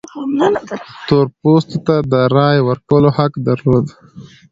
تور پوستو ته د رایې ورکولو حق درلود.